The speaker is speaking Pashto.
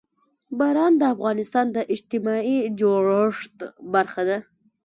باران د افغانستان د اجتماعي جوړښت برخه ده.